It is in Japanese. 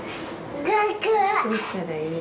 どうしたらいい？